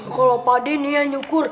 kalau pak ade nih yang nyukur